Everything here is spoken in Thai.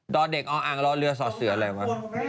อเด็กออ่างรอเรือสอดเสืออะไรวะ